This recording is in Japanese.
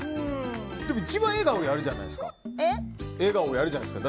一番笑顔をやるじゃないですか。